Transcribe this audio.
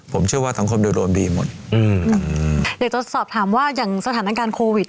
ผมเชื่อว่าทำคมโดยรวมดีหมดอืมอยากจะสอบถามว่าอย่างสถานการณ์โควิด